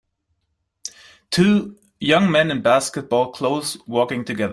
Two young men in basketball clothes walking together